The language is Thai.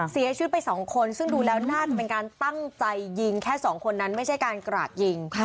เสียชีวิตไปสองคนซึ่งดูแล้วน่าจะเป็นการตั้งใจยิงแค่สองคนนั้นไม่ใช่การกราดยิง